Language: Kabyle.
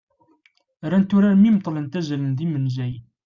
rrant urar mi neṭṭlent "azalen d yimenzayen"